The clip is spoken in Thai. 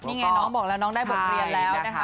นี่ไงน้องบอกแล้วน้องได้บทเรียนแล้วนะคะ